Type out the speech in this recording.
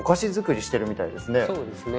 そうですね。